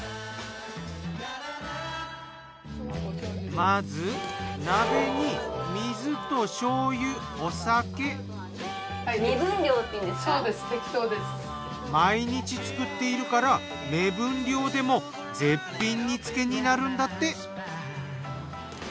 まず鍋に毎日作っているから目分量でも絶品煮付けになるんだって！